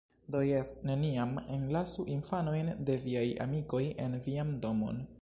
Do jes, neniam enlasu infanojn de viaj amikoj en vian domon.